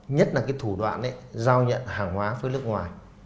nhất là cái thủ đoạn giao nhận hàng hóa với nước ngoài